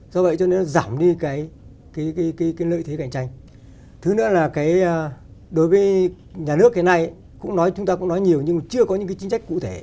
do vậy izztermino giảm đi cái lợi thế cạnh tranh